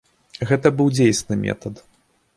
Гэта быў дзейсны метад.